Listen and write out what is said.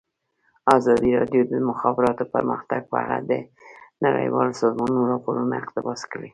ازادي راډیو د د مخابراتو پرمختګ په اړه د نړیوالو سازمانونو راپورونه اقتباس کړي.